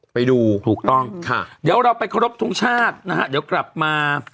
ไปดูถูกต้องค่ะเดี๋ยวเราไปเคารพทงชาตินะฮะเดี๋ยวกลับมา